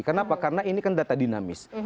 kenapa karena ini kan data dinamis